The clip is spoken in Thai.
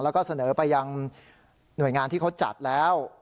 แล้วก็เสนอไปยังหน่วยงานที่เขาจัดแล้ว